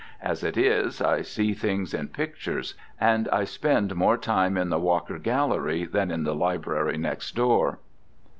As it is, I see things in pictures and I spend more time in the Walker Gallery than in the library next door.